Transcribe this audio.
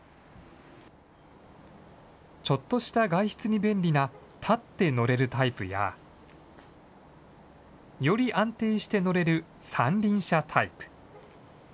ちょっとした外出に便利な、立って乗れるタイプや。より安定して乗れる三輪車タイプ。